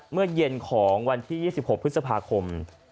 เมื่อเย็นของวันที่๒๖พฤษภาคม